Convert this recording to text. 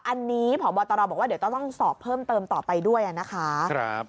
อันนี้พบตรบอกว่าเดี๋ยวต้องสอบเพิ่มเติมต่อไปด้วยนะคะ